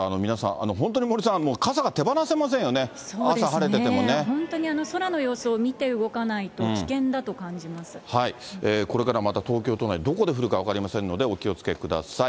ですから、皆さん、本当に森さん、もう傘が手放せませんよね、本当に空の様子を見て動かなこれからまた東京都内、どこで降るか分かりませんので、お気をつけください。